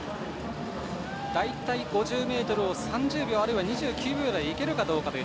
大体５０ｍを３０秒あれば２９秒台でいけるかどうかです。